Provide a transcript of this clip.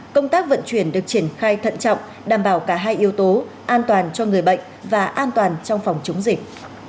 công tác vận chuyển được triển khai thận trọng đảm bảo cả hai yếu tố an toàn cho người bệnh và an toàn trong phòng chống dịch